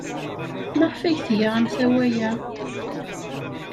Maɣef ay tga amtawa-a?